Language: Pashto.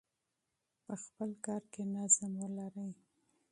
په خپل کار کې نظم ولرئ.